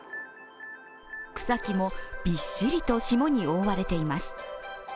草木もびっしりと霜に覆われています。